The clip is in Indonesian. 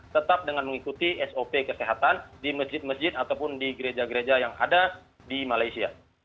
tetap dengan mengikuti sop kesehatan di masjid masjid ataupun di gereja gereja yang ada di malaysia